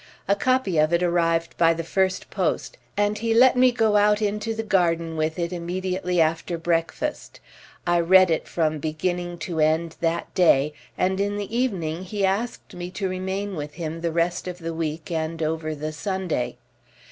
A copy of it arrived by the first post, and he let me go out into the garden with it immediately after breakfast, I read it from beginning to end that day, and in the evening he asked me to remain with him the rest of the week and over the Sunday.